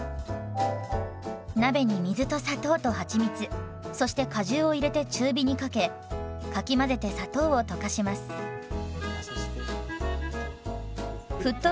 鍋に水と砂糖とはちみつそして果汁を入れて中火にかけかき混ぜて砂糖を溶かします。